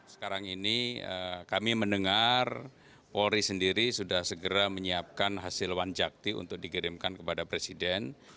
sekarang ini kami mendengar polri sendiri sudah segera menyiapkan hasil wanjakti untuk dikirimkan kepada presiden